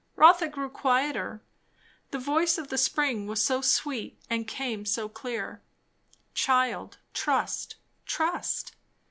Rotha grew quieter, the voice of the spring was so sweet and came so clear "Child, trust, trust!